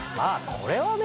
これはね。